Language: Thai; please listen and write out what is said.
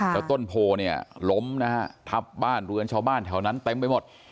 แล้วต้นโพเนี่ยล้มนะฮะทับบ้านเรือนชาวบ้านแถวนั้นเต็มไปหมด